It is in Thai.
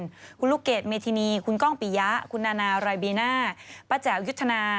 คุณลูกเกดเมธินีคุณก้องปิยะคุณนานารายบีน่าป้าแจ๋วยุทธนา